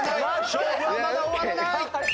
勝負はまだ終わらない！